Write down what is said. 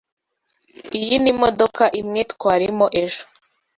Iyi ni imodoka imwe twarimo ejo.